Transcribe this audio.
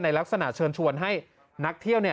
ลักษณะเชิญชวนให้นักเที่ยว